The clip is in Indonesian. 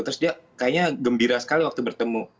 terus dia kayaknya gembira sekali waktu bertemu